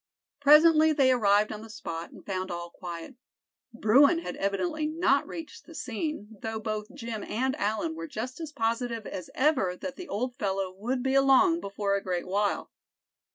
Presently they arrived on the spot, and found all quiet. Bruin had evidently not reached the scene, though both Jim and Allan were just as positive as ever that the old fellow would be along before a great while.